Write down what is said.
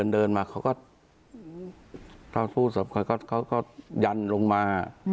เดินมาเขาก็พูดสำคัญเขาก็ยันลงมา